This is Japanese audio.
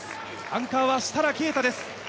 アンカーは設楽啓太です。